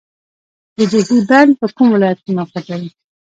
د دهلې بند په کوم ولایت کې موقعیت لري؟